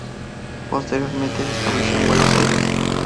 Posteriormente se estableció en Buenos Aires.